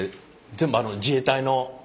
全部自衛隊の。